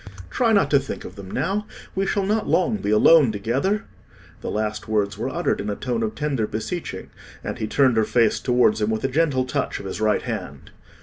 Try not to think of them now; we shall not long be alone together." The last words were uttered in a tone of tender beseeching, and he turned her face towards him with a gentle touch of his right hand.